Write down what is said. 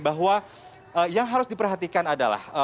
bahwa yang harus diperhatikan adalah